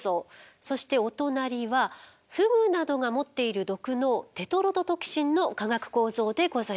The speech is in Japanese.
そしてお隣はフグなどが持っている毒のテトロドトキシンの化学構造でございます。